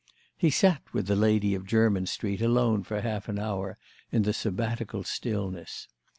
He sat with the lady of Jermyn Street alone for half an hour in the sabbatical stillness.